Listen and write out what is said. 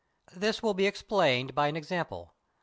This will be explained by an example.